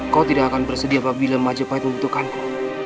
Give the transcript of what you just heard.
kau tidak akan bersedia apabila majapahit membutuhkanku